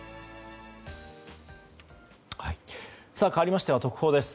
かわりましては特報です。